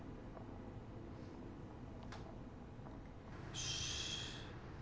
よし。